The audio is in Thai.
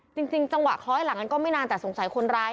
จริงจังหวะคล้อยหลังกันก็ไม่นานแต่สงสัยคนร้าย